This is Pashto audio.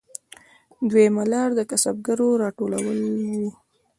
دویمه لار د کسبګرو راټولول وو